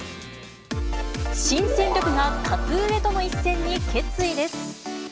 新戦力が格上との一戦に決意